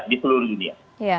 di seluruh dunia